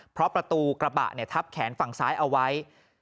เพราะประตูกระบะทับแขนฝั่งซ้ายเอาไว้